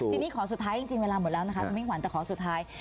ทีนี้ขอสุดท้ายจริงเวลาหมดแล้วนะคะคุณมิ่งขวัญแต่ขอสุดท้าย